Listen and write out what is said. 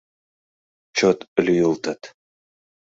Чот лӱйылтыт.